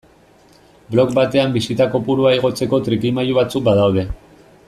Blog batean bisita kopurua igotzeko trikimailu batzuk badaude.